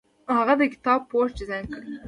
هغه د کتاب پوښ ډیزاین کړ.